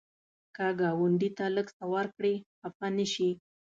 که ګاونډي ته لږ څه ورکړې، خفه نشي